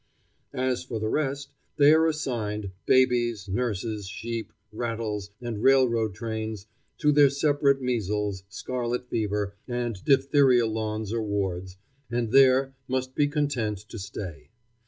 As for the rest, they are assigned, babies, nurses, sheep, rattles, and railroad trains, to their separate measles, scarlet fever, and diphtheria lawns or wards, and there must be content to stay.